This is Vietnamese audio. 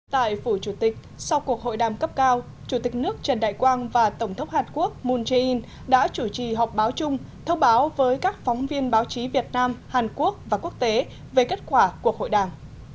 tại phủ chủ tịch sau cuộc hội đàm cấp cao chủ tịch nước trần đại quang và tổng thống hàn quốc moon jae in đã chủ trì họp báo chung thông báo với các phóng viên báo chí việt nam hàn quốc và quốc tế về kết quả cuộc hội đảng